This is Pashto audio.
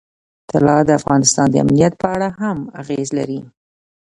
طلا د افغانستان د امنیت په اړه هم اغېز لري.